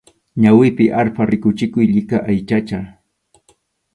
Ñawipi arpha rikuchikuq llika aychacha.